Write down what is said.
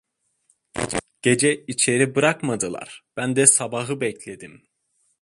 Gece içeri bırakmadılar, ben de sabahı bekledim!